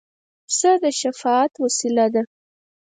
پسه د شفاعت وسیله ده.